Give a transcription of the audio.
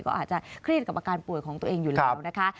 ก็อาจจะเครียดกับอาการป่วยของตัวเองอยู่แล้วนะคะ